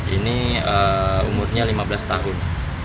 ini umurnya lima belas tahun